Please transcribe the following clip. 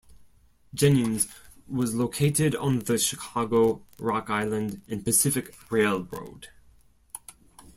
Jennings was located on the Chicago, Rock Island and Pacific Railroad.